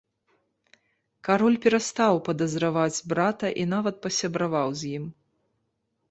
Кароль перастаў падазраваць брата і нават пасябраваў з ім.